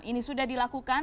ini sudah dilakukan